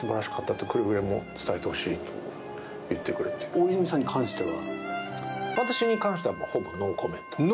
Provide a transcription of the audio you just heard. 大泉さんに関しては。